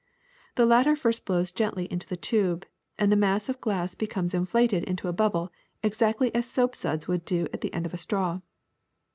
"The latter first blows gently into the tube, and the mass of glass becomes inflated into a bubble exactly as soap suds would do at the end of a straw.